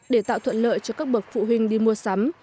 để tạo thuận lợi cho các bậc phụ huynh đi mua sắm